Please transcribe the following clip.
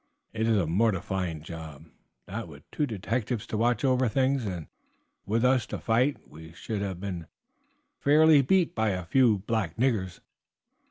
It is a mortifying job, that with two detectives to watch over things and with us to fight we should have been fairly beat by a few black niggers."